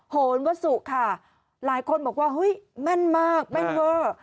โฮนวัสุค่ะหลายคนบอกว่ามันมากมันเผอร์